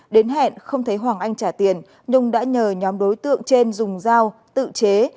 đến hẹn không thấy hoàng anh trả tiền nhung đã nhờ nhóm đối tượng trên dùng dao tự chế